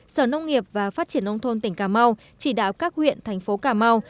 công nghiệp và phát triển nông thôn tỉnh cà mau chỉ đạo các huyện thành phố cà mau